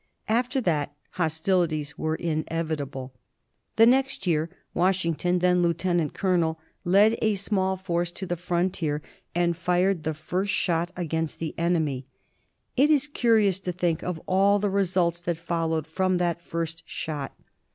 After that hostilities were inevitable. The next year Washing ton, then lieutenant colonel, led a small force to the fron tier, and fired the first shot against the enemy. It is cu rious to think of all the results that followed from that first shot.